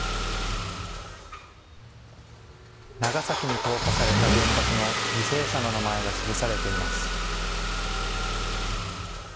長崎に投下された原爆の犠牲者の名前が記されています。